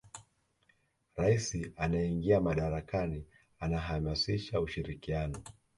rais anayeingia madarakani anahamasisha ushirikiano